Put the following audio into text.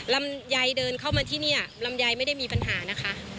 ลำไยเดินเข้ามาที่นี่ลำไยไม่ได้มีปัญหานะคะ